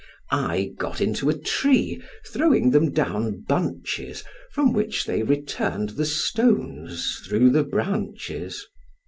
I got into a tree, throwing them down bunches, from which they returned the stones through the branches.